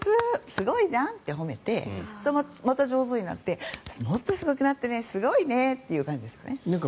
すごいじゃん！って褒めてそれがまた上手になってもっと上手になってすごいねってなるんです。